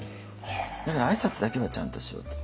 だから挨拶だけはちゃんとしようと思って。